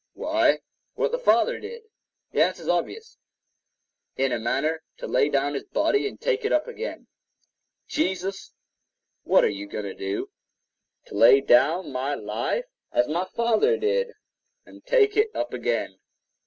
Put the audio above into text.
Why, what the Father did. The answer is obvious—in a manner to lay down His body and take it up again. Jesus, what are you going to do? To lay down my life as my Father did, and take it up again.